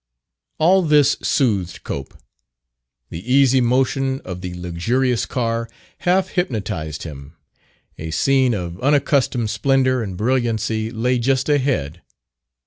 All this soothed Cope. The easy motion of the luxurious car half hypnotized him; a scene of unaccustomed splendor and brilliancy lay just ahead...